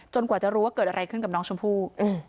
กว่าจะรู้ว่าเกิดอะไรขึ้นกับน้องชมพู่